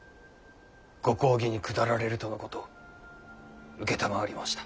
ご公儀に下られるとのこと承りました。